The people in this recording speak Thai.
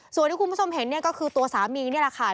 ส่วนที่คุณผู้ชมเห็นเนี่ยก็คือตัวสามีนี่แหละค่ะ